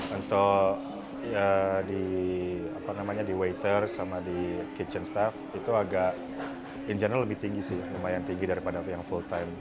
untuk di waiter sama di kitchen staff itu agak in general lebih tinggi sih lumayan tinggi daripada yang full time